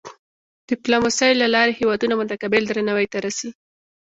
د ډیپلوماسۍ له لارې هېوادونه متقابل درناوی ته رسي.